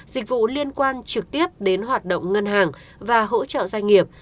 dịch vụ liên quan trực tiếp đến hoạt động ngân hàng và hỗ trợ doanh nghiệp